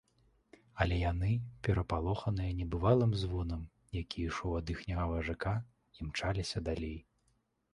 Але яны, перапалоханыя небывалым звонам, які ішоў ад іхняга важака, імчаліся далей.